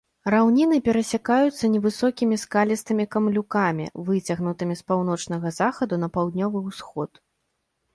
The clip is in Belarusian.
Раўніны перасякаюцца невысокімі скалістымі камлюкамі, выцягнутымі з паўночнага захаду на паўднёвы ўсход.